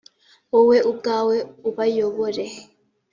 wowe ubwawe ubayobore